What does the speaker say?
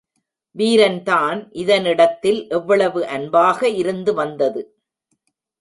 வீரன்தான் இதனிடத்தில் எவ்வளவு அன்பாக இருந்து வந்தது!